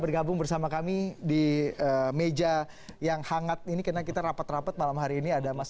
bergabung bersama kami di meja yang hangat ini karena kita rapat rapat malam hari ini ada mas